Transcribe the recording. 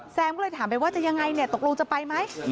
ก็เลยถามไปว่าจะยังไงเนี่ยตกลงจะไปไหม